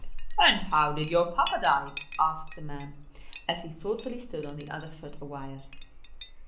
"And how did your papa die?" asked the man, as he thoughtfully stood on the other foot awhile.